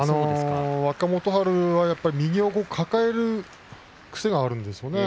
若元春は右を抱える癖があるんですね。